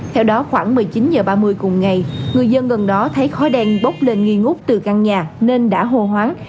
theo đó khoảng một mươi chín h ba mươi cùng ngày người dân gần đó thấy khói đen bốc lên nghi ngút từ căn nhà nên đã hô hoáng